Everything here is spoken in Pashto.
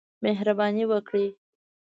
مهرباني وکړئ